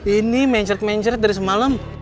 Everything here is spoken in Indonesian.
ini mencret mencret dari semalam